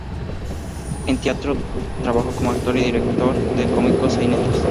En teatro trabajó como actor y director de cómicos sainetes.